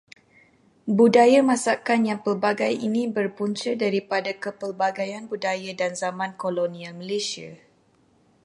Budaya masakan yang pelbagai ini berpunca daripada kepelbagaian budaya dan zaman kolonial Malaysia.